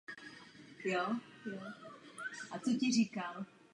Fasády byly před svým zničením členěné lizénovými rámci.